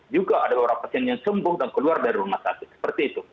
juga ada beberapa pasien yang sembuh dan keluar dari rumah sakit seperti itu